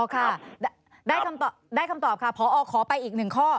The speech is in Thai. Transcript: ค่ะได้คำตอบค่ะพอขอไปอีกหนึ่งข้อ